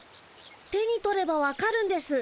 手に取ればわかるんです。